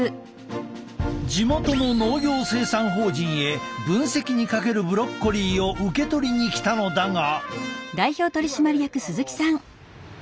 地元の農業生産法人へ分析にかけるブロッコリーを受け取りに来たのだが。